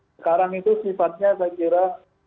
sekarang itu sifatnya saya kira